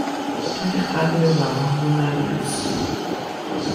تو که قدر وفام رو ندونستی